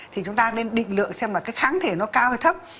thì chúng ta nên định lượng xem là cái kháng thể nó cao hay thấp